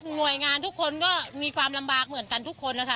หน่วยงานทุกคนก็มีความลำบากเหมือนกันทุกคนนะคะ